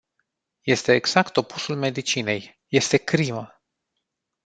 Este exact opusul medicinei - este crimă.